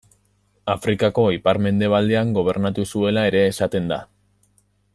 Afrikako ipar-mendebaldean gobernatu zuela ere esaten da.